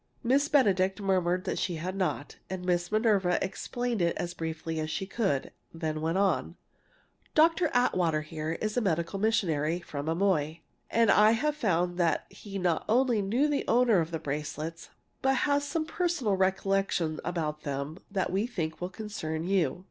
Miss Benedict murmured that she had not, and Miss Minerva explained it as briefly as she could. Then she went on: "Dr. Atwater, here, is a medical missionary from Amoy, and I have found that he not only knew the owner of the bracelets, but has some personal recollections about them that we think will concern you.